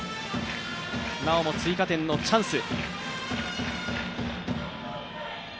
なおも追加点のチャンス。